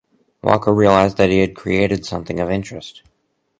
Walker realized he had created something of interest.